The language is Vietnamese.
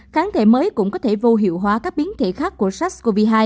kháng thể mới cũng có thể vô hiệu hóa các biến thể khác của sars cov hai